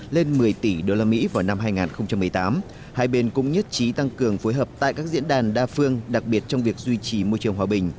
lên một mươi tỷ usd vào năm hai nghìn một mươi tám hai bên cũng nhất trí tăng cường phối hợp tại các diễn đàn đa phương đặc biệt trong việc duy trì môi trường hòa bình